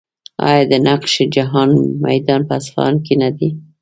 آیا د نقش جهان میدان په اصفهان کې نه دی؟